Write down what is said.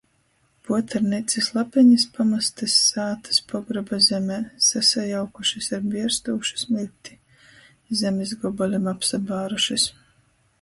Puotarneicys lapenis pamastys sātys pogroba zemē, sasajaukušys ar bierstūšu smiļkti, zemis gobolim apsabārušys.